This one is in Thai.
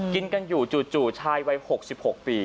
กินกันอยู่จู่ชายวัย๖๖ปี